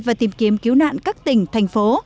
và tìm kiếm cứu nạn các tỉnh thành phố